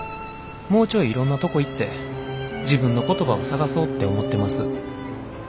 もうちょいいろんなとこ行って自分の言葉を探そうって思ってます」。